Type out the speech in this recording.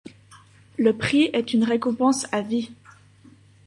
Le prix est une récompense à vie.